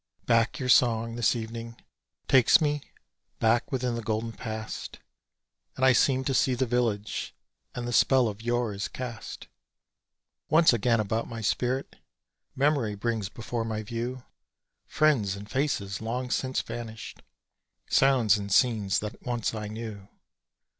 Back your song, this evening, takes me, back within that golden past, And I seem to see the village and the spell of yore is cast Once again about my spirit! Memory brings before my view Friends and faces long since vanished sounds and scenes that once I knew.